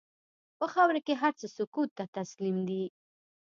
په خاوره کې هر څه سکوت ته تسلیم دي.